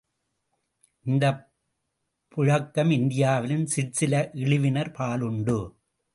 இந்தப் புழக்கம் இந்தியாவிலும் சிற்சில இழிவினர் பாலுண்டு.